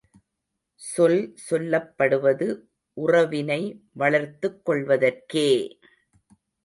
சொல் சொல்லப்படுவது உறவினை வளர்த்துக் கொள்வதற்கே!